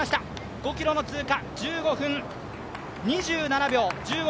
５ｋｍの通過、１５分２７秒。